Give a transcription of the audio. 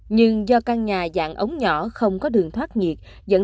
nhưng do căn nhà dạng ống nhỏ không có đường thoát nhiệt